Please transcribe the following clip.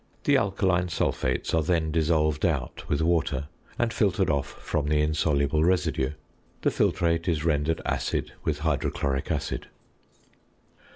The alkaline sulphates are then dissolved out with water, and filtered off from the insoluble residue. The filtrate is rendered acid with hydrochloric acid.